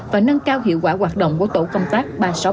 và nâng cao hiệu quả hoạt động của tổ công tác ba trăm sáu mươi ba